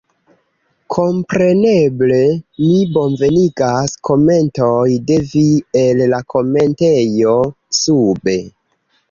Kompreneble, mi bonvenigas komentoj de vi el la komentejo sube